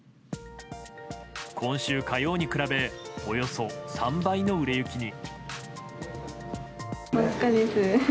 今週火曜に比べおよそ３倍の売れ行きに。